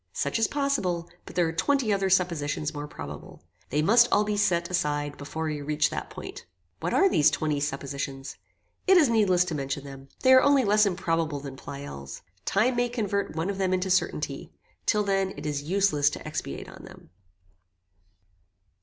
Such is possible, but there are twenty other suppositions more probable. They must all be set aside before we reach that point." "What are these twenty suppositions?" "It is needless to mention them. They are only less improbable than Pleyel's. Time may convert one of them into certainty. Till then it is useless to expatiate on them."